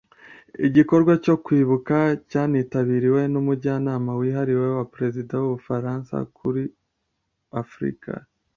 Igikorwa cyo kwibuka cyanitabiriwe n’Umujyanama wihariye wa Perezida w’u Bufaransa kuri Afurika